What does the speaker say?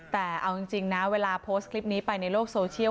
แต่เอาจริงนะเวลาโพสต์คลิปนี้ไปในโลกโซเชียล